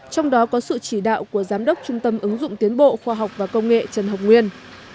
trong đó có sự chỉ đạo của giám đốc trung tâm ứng dụng tiến bộ khoa học và công nghệ trần hồng nguyên